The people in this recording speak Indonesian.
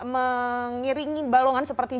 mengiringi balongan seperti